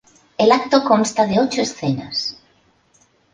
El acto consta de ocho escenas.